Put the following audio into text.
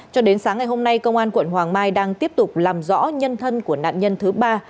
cho đến sáng ngày hôm nay công an quận hoàng mai đang tiếp tục làm rõ nhân thân của nạn nhân thứ ba